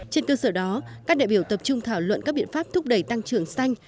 trên cơ sở đó các đại biểu tập trung thảo luận các biện pháp thúc đẩy tăng trưởng xanh